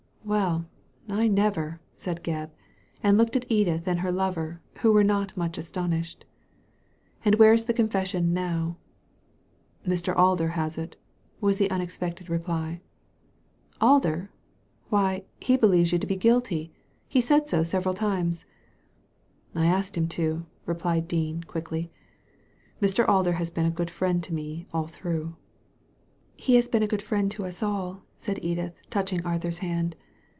"" Well, I never I '' said Gebb ; and looked at Edith and her lover, who were not much astonished. "And where is the confession now ?" "Mr. Alder has it," was the unexpected reply. Alder ! Why, he believes you to be guilty. He said so several times." "I asked him to," replied Dean, quickly; "Mr. Alder has been a good friend to me all through." " He has been a good friend to us all," said Edith, touching Arthur's hand.